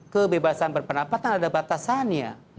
kebebasan berpendapat kan ada batasannya